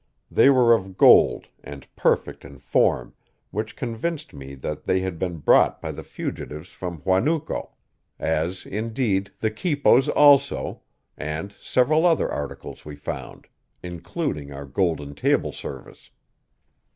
They were of gold and perfect in form, which convinced me that they had been brought by the fugitives from Huanuco, as, indeed, the quipos also, and several other articles we found, including our golden table service.